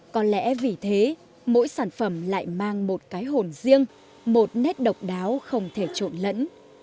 có lẽ vì thế mỗi sản phẩm lại mang một cái hồn riêng một nét độc đáo không thể trộn lẫn